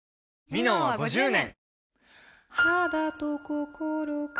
「ミノン」は５０年！